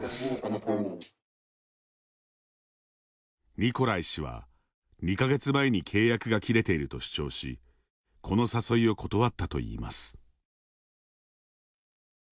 ニコライ氏は２か月前に契約が切れていると主張しこの誘いを断ったといいます。